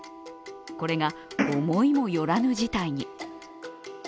これが思いも寄らぬ事態に。